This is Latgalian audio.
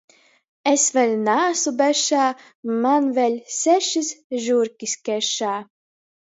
Es vēļ naasu bešā, man vēļ sešys žurkys kešā.